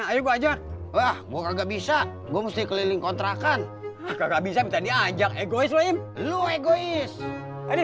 ayo gua aja wah gua gak bisa gue mesti keliling kontrakan nggak bisa diajak egois lu egois tadi